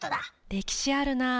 歴史あるなぁ。